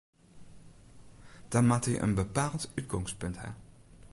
Dan moatte jo in bepaald útgongspunt ha.